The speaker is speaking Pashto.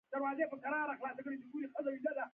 افغانستان د بریښنا ډیر منابع لري.